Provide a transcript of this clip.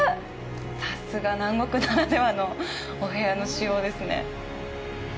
さすが南国ならではのお部屋の仕様ですね。